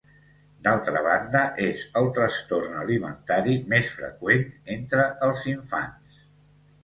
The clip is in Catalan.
D'altra banda, és el trastorn alimentari més freqüent entre els infants.